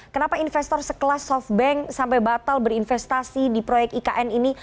kenapa investor sekelas softbank sampai batal berinvestasi di proyek ikn ini